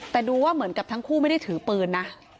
แต่ดูว่าเหมือนกับทั้งคู่ไม่ได้ถือปืนนะ